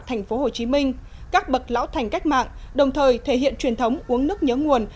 tp hcm các bậc lão thành cách mạng đồng thời thể hiện truyền thống uống nước nhớ nguồn